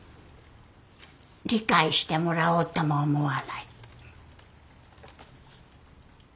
理解してもらおうとも思わない。